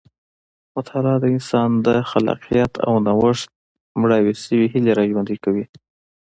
مطالعه د انسان د خلاقیت او نوښت مړاوې شوې هیلې راژوندۍ کوي.